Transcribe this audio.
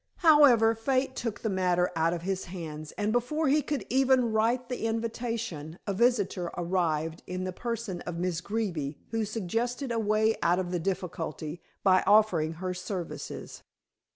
However, Fate took the matter out of his hands, and before he could even write the invitation, a visitor arrived in the person of Miss Greeby, who suggested a way out of the difficulty, by offering her services.